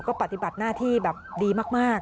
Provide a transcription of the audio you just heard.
ก็ปฏิบัติหน้าที่แบบดีมาก